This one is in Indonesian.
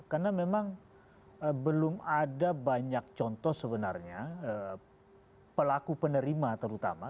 karena memang belum ada banyak contoh sebenarnya pelaku penerima terutama